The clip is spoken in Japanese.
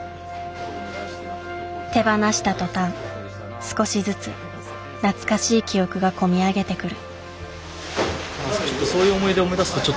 手放した途端少しずつ懐かしい記憶が込み上げてくる。